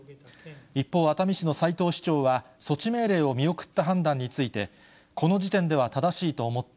一方、熱海市の斉藤市長は措置命令を見送った判断について、この時点では正しいと思った。